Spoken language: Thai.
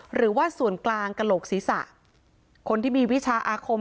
หรือว่าส่วนกลางกระโหลกศีรษะคนที่มีวิชาอาคม